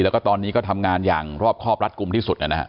แล้วก็ตอนนี้ก็ทำงานอย่างรอบครอบรัดกลุ่มที่สุดนะฮะ